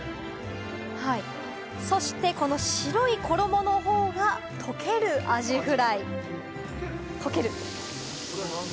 そして白い衣の方が、溶けるアジフライ。